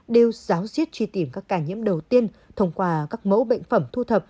đều giáo diết truy tìm các ca nhiễm đầu tiên thông qua các mẫu bệnh phẩm thu thập